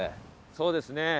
そうですね。